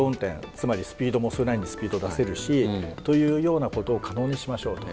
つまりスピードもそれなりにスピードを出せるしというようなことを可能にしましょうと。